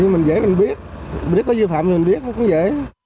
mình dễ mình biết biết có dụ phạm mình biết cũng dễ